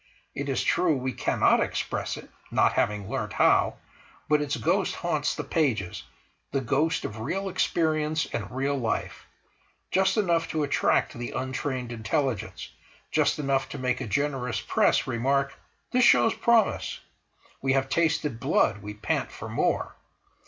It is true we cannot express it, not having learnt how, but its ghost haunts the pages the ghost of real experience and real life—just enough to attract the untrained intelligence, just enough to make a generous Press remark: "This shows promise." We have tasted blood, we pant for more.